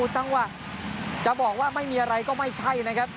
จังหวะจะบอกว่าไม่มีอะไรก็ไม่ใช่นะครับ